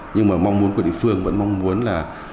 nhưng mà mong muốn của địa phương vẫn mong muốn là